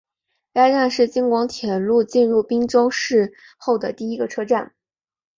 该站是京广铁路进入郴州市后的第一个车站。